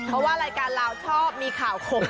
เพราะว่ารายการเราชอบมีข่าวข่ม